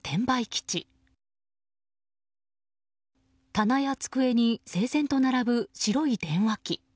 棚や机に整然と並ぶ白い電話機。